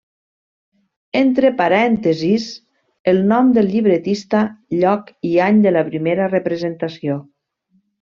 Entre parèntesis, el nom del llibretista, lloc i any de la primera representació.